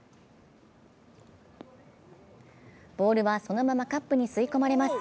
ボールはそのままカップに吸い込まれます。